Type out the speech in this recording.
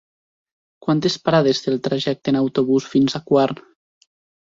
Quantes parades té el trajecte en autobús fins a Quart?